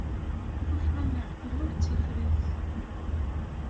Tuffɣa n leɛqel ur d tifrat.